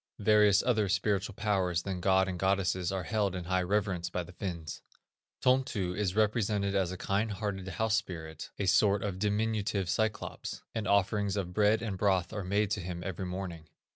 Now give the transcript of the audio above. Various other spiritual powers than gods and goddesses are held in high reverence by the Finns. Tontu is represented as a kind hearted house spirit, a sort of diminutive Cyclops, and offerings of bread and broth are made to him every morning.